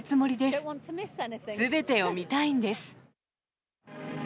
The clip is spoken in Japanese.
すべてを見たいんです。